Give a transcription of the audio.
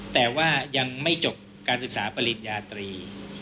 แต่ว่ายังไม่จบการศึกษาปริญญาตรี